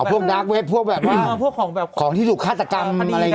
แบบพวกดาร์กเว็บพวกส่วนที่สูงห้าตกรรม